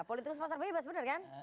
politikus pasar by bebas benar kan